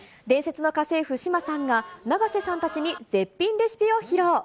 伝説の家政婦、志麻さんが、永瀬さんたちに絶品レシピを披露。